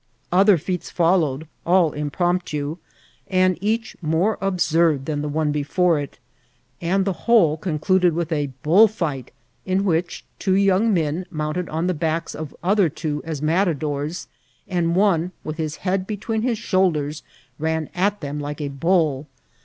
Other feats followed, all impromptu, and each flUNDAT AMU8SMBNT8. 863 more absurd than the one before it ; and the whole concluded with a bullfight, in which two young men mounted on the backs of other two as matadors, and one, with his head between his shoulders, ran at them like a bull.